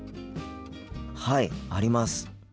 はいあります。